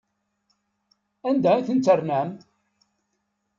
Anda ay ten-ternam?